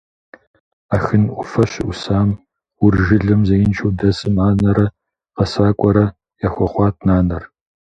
Ахын Ӏуфэ щыӀусам Ур жылэм зеиншэу дэсым анэрэ гъэсакӀуэрэ яхуэхъуат нанэр.